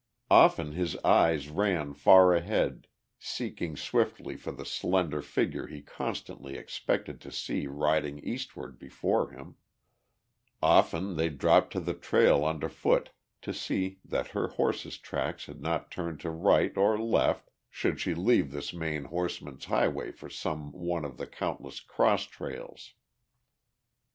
Often his eyes ran far ahead, seeking swiftly for the slender figure he constantly expected to see riding eastward before him; often they dropped to the trail underfoot to see that her horse's tracks had not turned to right or left should she leave this main horseman's highway for some one of the countless cross trails.